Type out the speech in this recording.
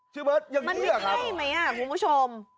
ชื่อเบิร์ดอย่างนี้หรอครับมันไม่ให้ไหมทักมุชม